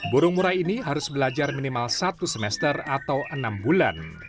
burung murai ini harus belajar minimal satu semester atau enam bulan